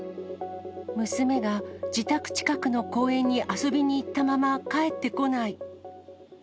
娘が自宅近くの公園に遊びに行ったまま帰ってこない。